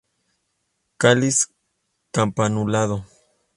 Cáliz campanulado.